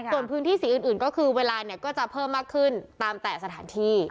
ส่วนพื้นที่สีอื่นก็คือเวลาเนี่ยก็จะเพิ่มมากขึ้นตามแต่สถานที่